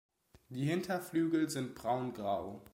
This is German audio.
Die Hinterflügel sind braungrau.